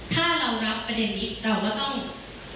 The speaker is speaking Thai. ถ้าเรารับประเด็นนี้เราก็ต้องเลิกว่าคนอีสานว่า